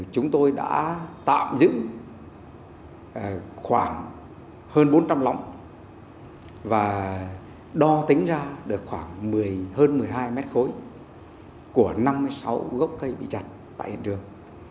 chúng tôi đã tạm giữ khoảng hơn bốn trăm linh lóng và đo tính ra được khoảng hơn một mươi hai mét khối của năm mươi sáu gốc cây bị chặt tại hiện trường